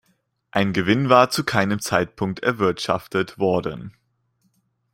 Ein Gewinn war zu keinem Zeitpunkt erwirtschaftet worden.